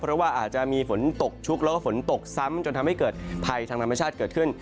เพราะว่าอาจจะมีฝนตกชุกแล้วก็ฝนตกซ้ำจนทำให้เกิดภัยทางธรรมชาติเกิดขึ้น